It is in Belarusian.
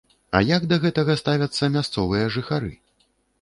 А як да гэтага ставяцца мясцовыя жыхары?